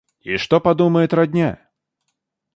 И что подумает родня?